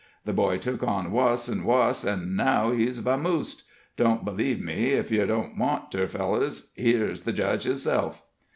The boy took on wuss an' wuss, an' now he's vamosed. Don't b'lieve me ef yer don't want ter, fellers here's the judge hisself."